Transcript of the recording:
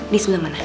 di sebelah mana